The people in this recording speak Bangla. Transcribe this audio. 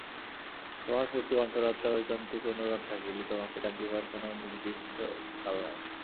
তোমার প্রতি অন্তরাত্মার ঐকান্তিক অনুরাগ থাকিলে তোমাকে ডাকিবার কোন নির্দিষ্ট কাল নাই।